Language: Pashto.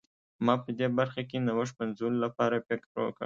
ما په دې برخه کې نوښت پنځولو لپاره فکر وکړ.